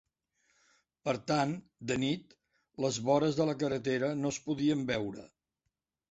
Per tant, de nit, les vores de la carretera no es podien veure.